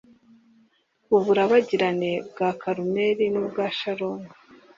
uburabagirane bwa Karumeli n’ubwa Sharoni,